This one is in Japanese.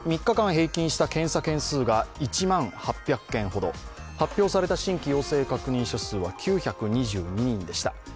３日間平均した検査件数が１万８００件ほど、発表された新規陽性確認者数は９２２人でした。